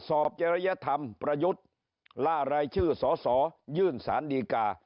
จริยธรรมประยุทธ์ล่ารายชื่อสสยื่นสารดีกา